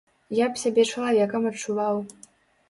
Я б сябе чалавекам адчуваў.